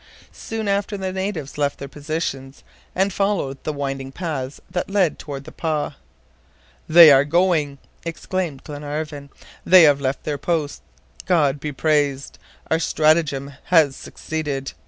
Soon after the natives left their positions and followed the winding paths that led toward the pah. "They are going!" exclaimed Glenarvan. "They have left their posts! God be praised! Our stratagem has succeeded!